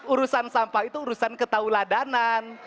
urusan sampah itu urusan ketahulah danan